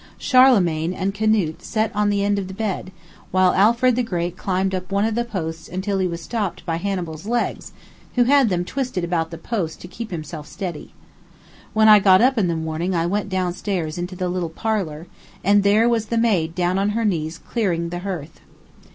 Charlemagne and Canute sat on the end of the bed, while Alfred the Great climbed up one of the posts until he was stopped by Hannibal's legs, who had them twisted about the post to keep himself steady. When I got up in the morning I went down stairs into the little parlor, and there was the maid down on her knees cleaning the hearth.